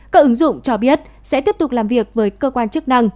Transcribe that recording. các ứng dụng cho biết sẽ tiếp tục làm việc với cơ quan chức năng